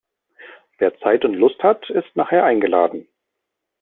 Wer Zeit und Lust hat, ist nachher eingeladen.